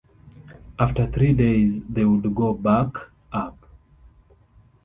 After three days, they would go back up.